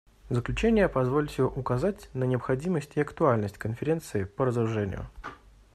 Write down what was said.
В заключение позвольте указать на необходимость и актуальность Конференции по разоружению.